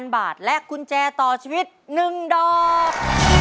๕๐๐๐บาทและกุญแจต่อชีวิตหนึ่งดอก